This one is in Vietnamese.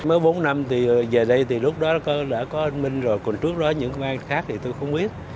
mới bốn năm thì về đây thì lúc đó đã có anh minh rồi còn trước đó những công an khác thì tôi không biết